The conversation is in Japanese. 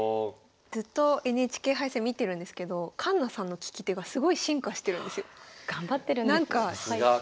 ずっとＮＨＫ杯戦見てるんですけど環那さんの聞き手がすごい進化してるんですよ。頑張ってるんです。